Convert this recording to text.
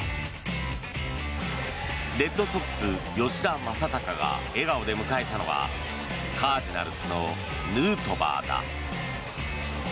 レッドソックス、吉田正尚が笑顔で迎えたのはカージナルスのヌートバーだ。